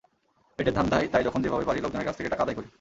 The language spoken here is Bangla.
পেটের ধান্দায় তাই যখন যেভাবে পারি, লোকজনের কাছ থেকে টাকা আদায় করি।